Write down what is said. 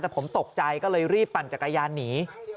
แต่ผมตกใจก็เลยรีบปั่นจักรยานหนี